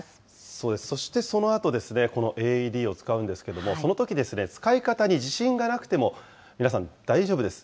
そうです、そしてそのあとこのＡＥＤを使うんですけれども、そのときですね、使い方に自信がなくても、皆さん、大丈夫です。